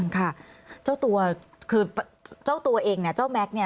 ค่ะเจ้าตัวคือเจ้าตัวเองเนี่ยเจ้าแม็กซ์เนี่ย